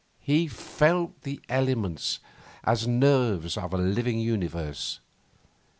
He felt the elements as nerves of a living Universe....